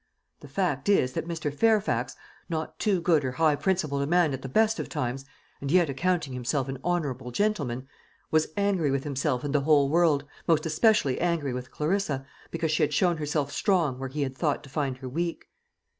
The fact is that Mr. Fairfax not too good or high principled a man at the best of times, and yet accounting himself an honourable gentleman was angry with himself and the whole world, most especially angry with Clarissa, because she had shown herself strong where he had thought to find her weak.